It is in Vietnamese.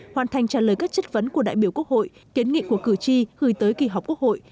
hoàn thành trả lời các chất vấn của đại biểu quốc hội kiến nghị của cử tri gửi tới kỳ họp quốc hội